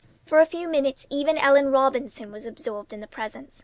For a few minutes even Ellen Robinson was absorbed in the presents.